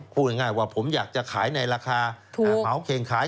พูดง่ายว่าผมอยากจะขายในราคาเหมาเข็งขาย